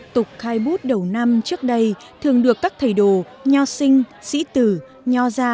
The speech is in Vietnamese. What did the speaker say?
tục khai bút đầu năm trước đây thường được các thầy đồ nho sinh sĩ tử nho gia